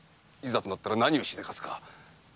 いざとなったら何をしでかすか。